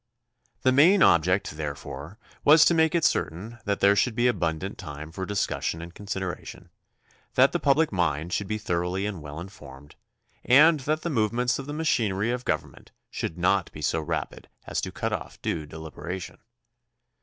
The main object, therefore, was to make it certain that there should be abundant time for discussion and consideration, that the public mind should be thoroughly and well informed, and that the movements of the machinery of government should not be so rapid as to cut off due deliberation.